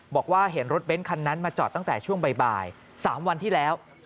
บอกว่าเห็นรถเบ้นคันนั้นมาจอดตั้งแต่ช่วงบ่าย๓วันที่แล้ว